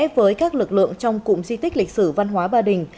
với các lực lượng trong cụm di tích lịch sử văn hóa ba đình